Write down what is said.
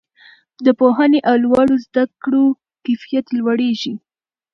د پوهنې او لوړو زده کړو کیفیت لوړیږي.